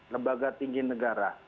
lembaga tinggi negara